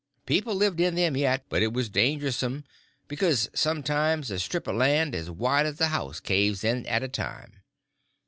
People lived in them yet, but it was dangersome, because sometimes a strip of land as wide as a house caves in at a time.